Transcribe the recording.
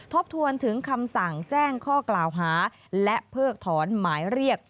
ทบทวนถึงคำสั่งแจ้งข้อกล่าวหาและเพิกถอนหมายเรียก